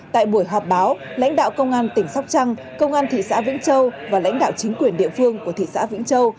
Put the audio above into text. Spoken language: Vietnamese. tại buổi họp báo lãnh đạo công an tỉnh sóc trăng công an thị xã vĩnh châu và lãnh đạo chính quyền địa phương của thị xã vĩnh châu